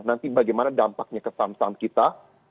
nanti bagaimana dampaknya ke samsung kita